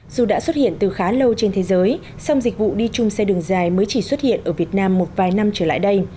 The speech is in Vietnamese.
dù đã xuất hiện từ khá lâu trên thế giới song dịch vụ đi chung xe đường dài mới chỉ xuất hiện ở việt nam một vài năm trở lại đây